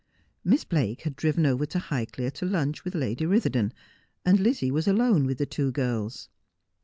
Miss Blake had driven over to Highclere to lunch with Lady Bitherdon, and Lizzie was alone with the two girls.